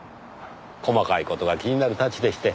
細かい事が気になるタチでして。